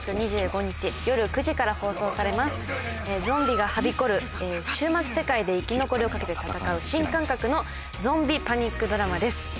ゾンビがはびこる終末世界で生き残りを懸けて戦う新感覚のゾンビパニックドラマです。